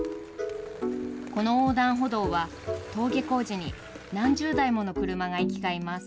この横断歩道は、登下校時に何十台もの車が行き交います。